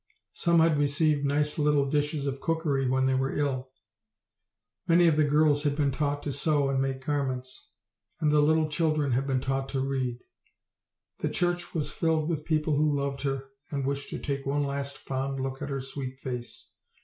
Some had received nice little dishes of cookery when they were ill. Many of the girls had been taught to sew and make garments; and the little children had been taught to read. The church was filled with people who loved her and wished to take one last fond look at her sweet face.